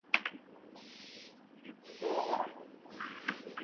A partir de aquí, no es mencionado de nuevo en ninguna fuente.